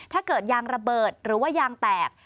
ถ้าเกิดยางระเบิดหรือว่ายางแตก